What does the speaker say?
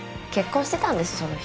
結婚してたんです